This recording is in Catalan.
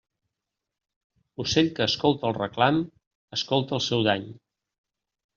Ocell que escolta el reclam escolta el seu dany.